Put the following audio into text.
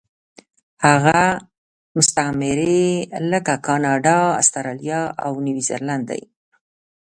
هغه مستعمرې لکه کاناډا، اسټرالیا او نیوزیلینډ دي.